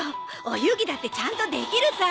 お遊戯だってちゃんとできるさ！